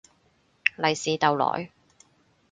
利是逗來